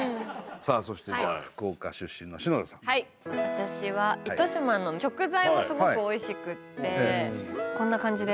私は糸島の食材もすごくおいしくてこんな感じで。